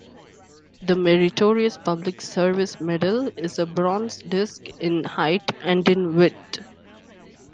The Meritorious Public Service Medal is a bronze disc in height and in width.